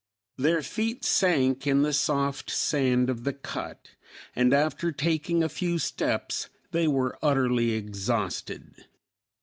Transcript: Their feet sank in the soft sand of the cut, and after taking a few steps they were utterly exhausted.